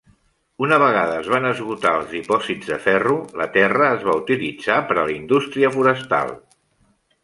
Una vegada es van esgotar els dipòsits de ferro, la terra es va utilitzar per a la indústria forestal.